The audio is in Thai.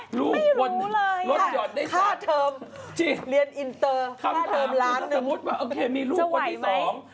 ไม่รู้เลยค่าเทอมเรียนอินเตอร์ค่าเทอมล้านหนึ่งจะไหวไหมจริงคำถามถ้าสมมุติว่าโอเคมีลูกคนที่สอง